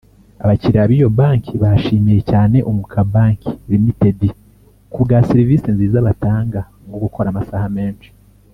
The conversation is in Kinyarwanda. Abakiriya biyo banki bashimiye cyane Unguka Bank Ltd ku bwa serivisi nziza batanga nko gukora amasaha menshi